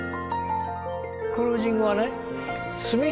クルージングはね。